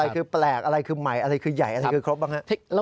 คือแปลกอะไรคือใหม่อะไรคือใหญ่อะไรคือครบบ้างครับ